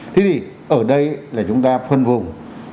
thế thì ở đây là chúng ta phân vùng